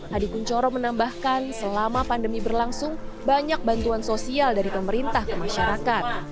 hadi kunchoro menambahkan selama pandemi berlangsung banyak bantuan sosial dari pemerintah ke masyarakat